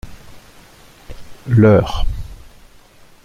Leur.